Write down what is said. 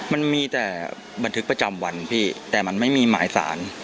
มันมีแต่บันทึกประจำวันพี่แต่มันไม่มีหมายสาร